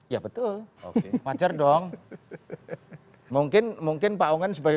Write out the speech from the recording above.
ya betul macer dong mungkin pak anggan sebagai